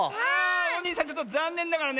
おにいさんちょっとざんねんながらね